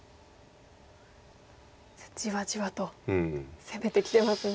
じわじわと攻めてきてますね。